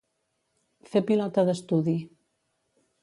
Fer pilota d'estudi.